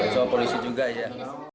sama polisi juga ya